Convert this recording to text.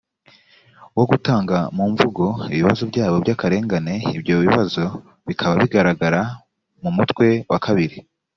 wo gutanga mu mvugo ibibazo byabo by akarengane ibyo bibazo bikaba bigaragara mu mutwe wa kabiri